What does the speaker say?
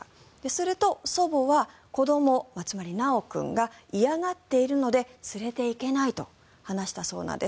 すると祖母は子ども、つまり修君が嫌がっているので連れていけないと話したそうなんです。